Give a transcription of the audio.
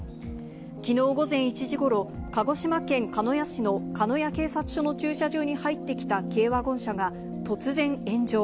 きのう午前１時ごろ、鹿児島県鹿屋市の鹿屋警察署の駐車場に入ってきた軽ワゴン車が、突然、炎上。